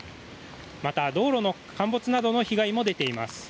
また、道路の陥没などの被害も出ています。